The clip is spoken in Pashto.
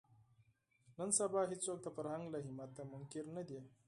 نن سبا هېڅوک د فرهنګ له اهمیته منکر نه دي